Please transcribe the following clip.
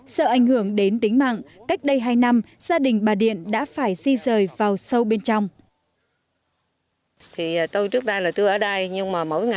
sợ ảnh hưởng đến tính mạng cách đây hai năm gia đình bà điện đã phải di rời vào sâu bên trong